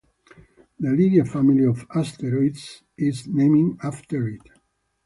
The Lydia family of asteroids is named after it.